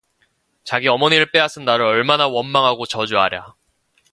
자기 어머니를 빼앗은 나를 얼마나 원망하고 저주하랴.